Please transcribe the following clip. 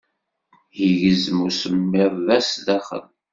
Igezzem usemmiḍ da sdaxel.